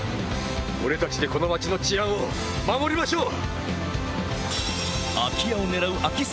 俺たちでこの町の治安を守りましょう！